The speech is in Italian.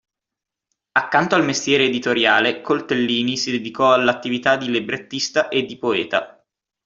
Accanto al mestiere editoriale Coltellini si dedicò all'attività di librettista e di poeta.